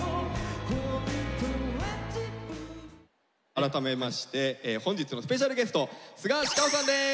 改めまして本日のスペシャルゲストスガシカオさんです。